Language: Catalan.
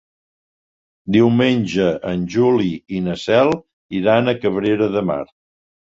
Diumenge en Juli i na Cel iran a Cabrera de Mar.